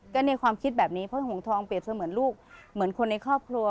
ก็ในความคิดแบบนี้เพราะหงทองเปรียบเสมือนลูกเหมือนคนในครอบครัว